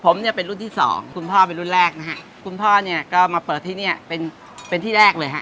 ผมเนี่ยเป็นรุ่นที่สองคุณพ่อเป็นรุ่นแรกนะฮะคุณพ่อเนี่ยก็มาเปิดที่เนี่ยเป็นเป็นที่แรกเลยฮะ